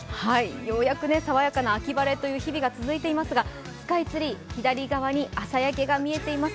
ようやく爽やかな秋晴れという日々が続いていますが、スカイツリー、左側に朝焼けが見えています。